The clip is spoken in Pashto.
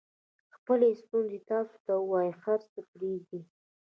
خپلې ستونزې تاسو ته ووایي هر څه پرېږدئ.